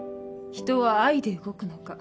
人は愛で動くのか？